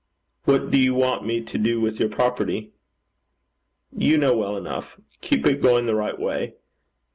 'What do you want me to do with your property?' 'You know well enough. Keep it going the right way.'